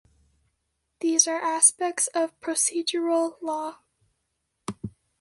These are aspects of procedural law.